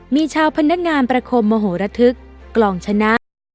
มีชาวพนักงานประคมโมโหระทึกกล่องชนะ